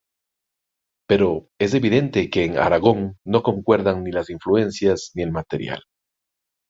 Pero es evidente que en Aragón no concuerdan ni las influencias ni el material.